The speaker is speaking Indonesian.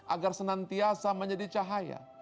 agar senantiasa menjadi cahaya